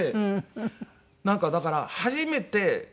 なんかだから初めてその。